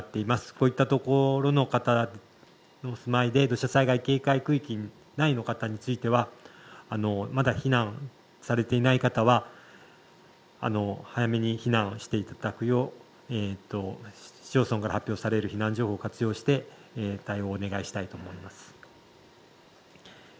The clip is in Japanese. こういった所のお住まいの方で土砂災害警戒区域内の方についてはまだ避難されていない方は早めに避難していただくよう市町村から発表される避難情報を活用して対応をお願いしたいと思います。